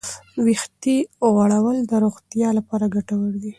ویښتې غوړول د روغتیا لپاره ګټور دي.